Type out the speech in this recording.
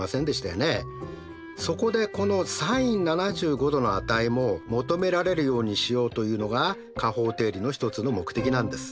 そこでこのｓｉｎ７５°の値も求められるようにしようというのが加法定理の一つの目的なんです。